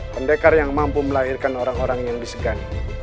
pendekar yang mampu melahirkan orang orang yang disegani